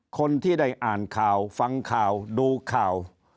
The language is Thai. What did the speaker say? คนที่ได้อ่านข่าวฟังข่าวดูข่าว